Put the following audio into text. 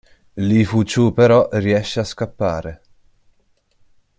Lee Fu-Chu però riesce a scappare.